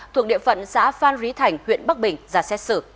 thuộc địa phận xã phan rí thành huyện bắc bình